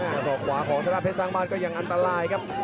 และส่องขวาของชาติพรีชทักบานก็ยังอันตรายครับ